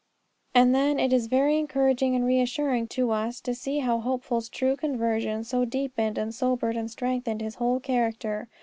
And then, it is very encouraging and reassuring to us to see how Hopeful's true conversion so deepened and sobered and strengthened his whole character.